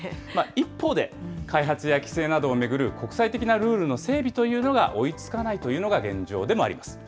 一方で、開発や規制などを巡る国際的なルールの整備というのが追いつかないというのが現状でもあります。